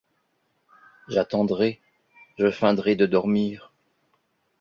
J’attendrai… je feindrai de dormir…